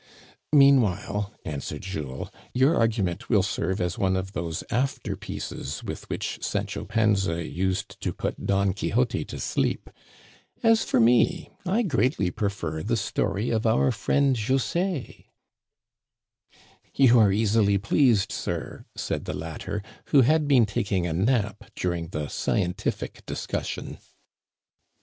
" Meanwhile," answered Jules, your argument will serve as one of those after pieces with which Sancho Panza used to put Don Quixote to sleep. As for me, I greatly prefer the story of our friend José." 4 Digitized by VjOOQIC 50 THE CANADIANS OF OLD. " You are easily pleased, sir," said the latter, who had been taking a nap during the scientific discussion.